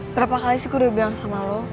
berapa kali sih ku udah bilang sama lo